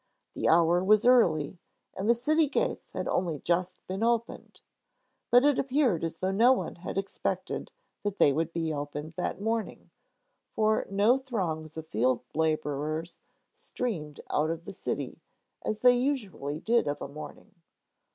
The hour was early, and the city gates had only just been opened. But it appeared as though no one had expected that they would be opened that morning; for no throngs of field laborers streamed out of the city, as they usually did of a morning.